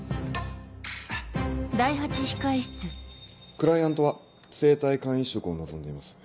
クライアントは生体肝移植を望んでいます。